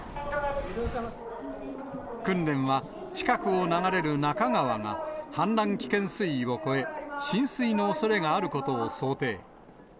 訓練は近くを流れる那珂川が、氾濫危険水位を超え、浸水のおそれがあることを想定。